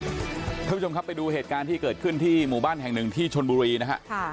คุณผู้ชมครับไปดูเหตุการณ์ที่เกิดขึ้นที่หมู่บ้านแห่งหนึ่งที่ชนบุรีนะฮะ